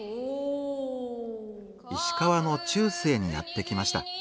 石川の中世にやって来ました。